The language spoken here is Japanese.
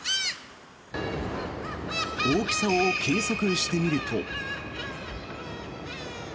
大きさを計測してみると。